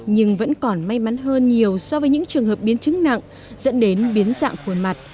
nhưng vẫn còn may mắn hơn nhiều so với những trường hợp biến chứng nặng dẫn đến biến dạng khôi mặt